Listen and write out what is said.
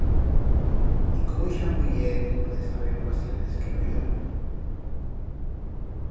Y cómo ixa muller el puede saber cuasi antes que no yo?